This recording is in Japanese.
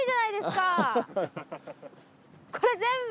これ全部。